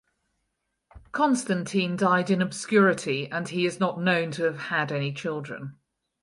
Constantine died in obscurity and he is not known to have had any children.